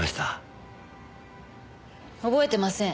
覚えてません。